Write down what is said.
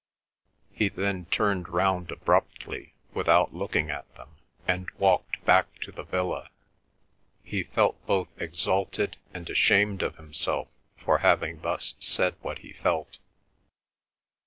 He then turned round abruptly, without looking at them, and walked back to the villa. He felt both exalted and ashamed of himself for having thus said what he felt.